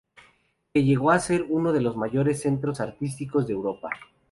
Que llegó a ser uno de los mayores centros artístico de Europa.